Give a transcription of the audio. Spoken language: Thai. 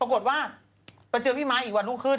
ปรากฎว่ามันเจอพี่มายอีกวันลูกขึ้น